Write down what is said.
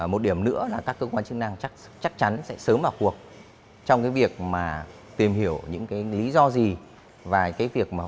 một điểm nữa là các cơ quan chức năng chắc chắn sẽ sớm vào cuộc trong cái việc mà tìm hiểu những cái lý do gì